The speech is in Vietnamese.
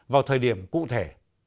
vào thời điểm cụ thể